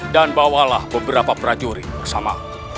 dan bawalah beberapa prajurit bersama